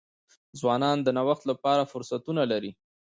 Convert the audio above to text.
ځوانان د نوښت لپاره فرصتونه لري.